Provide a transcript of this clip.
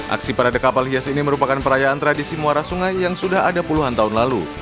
aksi parade kapal hias ini merupakan perayaan tradisi muara sungai yang sudah ada puluhan tahun lalu